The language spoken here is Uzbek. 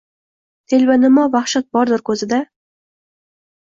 Telbanamo vahshat bordir ko’zida.